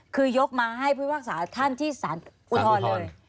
คือยกมาให้ภูมิภาคศาสตร์ท่านที่ศาลอุทธรณ์เลย